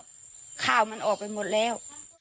ข้าวมันออกไปหมดแล้ว